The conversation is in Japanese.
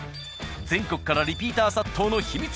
全国からリピーター殺到の秘密